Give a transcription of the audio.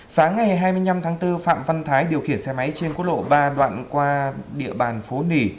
sáng ngày hai mươi năm tháng bốn phạm văn thái điều khiển xe máy trên quốc lộ ba đoạn qua địa bàn phố nỉ